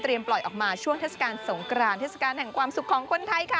ปล่อยออกมาช่วงเทศกาลสงกรานเทศกาลแห่งความสุขของคนไทยค่ะ